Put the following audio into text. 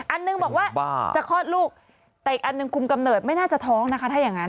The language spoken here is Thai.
อันหนึ่งบอกว่าจะคลอดลูกแต่อีกอันหนึ่งคุมกำเนิดไม่น่าจะท้องนะคะถ้าอย่างนั้น